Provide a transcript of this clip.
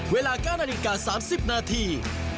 เวลา๙นาฬิกา๓๐นาที